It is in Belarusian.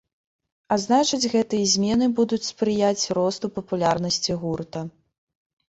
А значыць, гэтыя змены будуць спрыяць росту папулярнасці гурта.